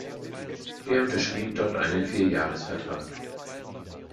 Er unterschrieb dort einen Vier-Jahres-Vertrag.